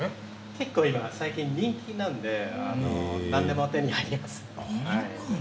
結構人気なので何でも手に入ります。